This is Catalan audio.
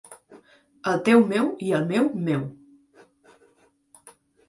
El teu meu, i el meu, meu.